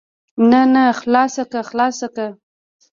نه نه خلاصه که خلاصه که.